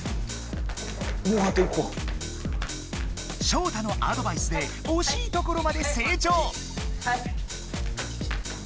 ショウタのアドバイスでおしいところまで成長。